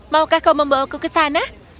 maukah kau membawaku ke sana